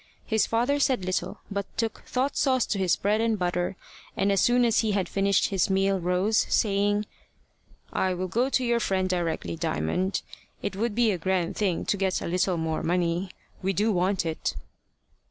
His father said little, but took thought sauce to his bread and butter, and as soon as he had finished his meal, rose, saying: "I will go to your friend directly, Diamond. It would be a grand thing to get a little more money. We do want it."